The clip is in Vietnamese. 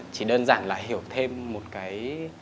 chỉ đơn giản là hiểu thêm một cái